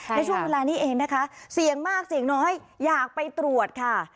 ในช่วงเวลานี้เองนะคะเสี่ยงมากเสี่ยงน้อยอยากไปตรวจค่ะ